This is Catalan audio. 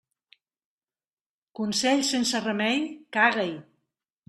Consell sense remei, caga-hi.